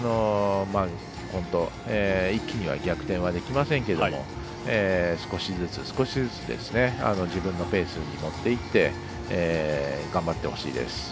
本当、一気には逆転はできませんけども少しずつ少しずつ自分のペースに持っていって頑張ってほしいです。